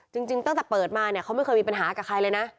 จริงตั้งแต่เปิดมาเนี่ยเขาไม่เคยมีปัญหากับใครเลยนะ